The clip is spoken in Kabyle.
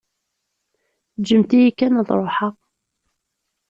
Ǧǧemt-iyi kan ad ṛuḥeɣ.